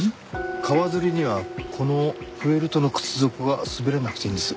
川釣りにはこのフェルトの靴底が滑らなくていいんです。